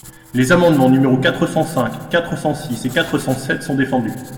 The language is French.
Les amendements numéros quatre cent cinq, quatre cent six et quatre cent sept sont défendus.